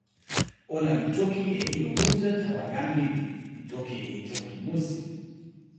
ona li toki e ijo mute tawa jan lili, li toki e toki musi.